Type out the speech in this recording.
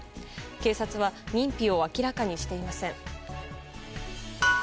警察は認否を明らかにしていません。